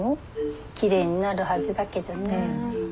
きれいになるはずだけどな。